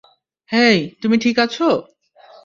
হেই, তুমি ঠিক আছ?